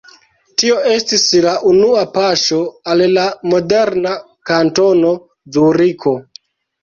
Tio estis la unua paŝo al la moderna Kantono Zuriko.